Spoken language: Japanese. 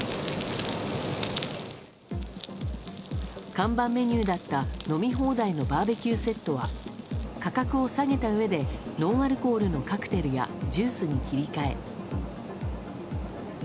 看板メニューだった飲み放題のバーベキューセットは価格を下げたうえでノンアルコールのカクテルやジュースに切り替え。